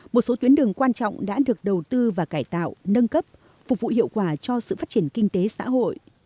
một số tuyến đường quan trọng đã được đầu tư và cải tạo nâng cấp phục vụ hiệu quả cho sự phát triển kinh tế xã hội